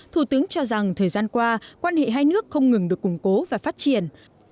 thủ tướng cho rằng thời gian qua quan hệ hai nước không ngừng được củng cố và phát triển